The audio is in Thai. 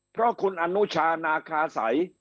เพราะคุณอนุชานาคาสัย